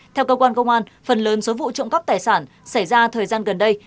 theo cơ quan công an phần lớn số vụ trộm cắp tài sản xảy ra thời gian gần đây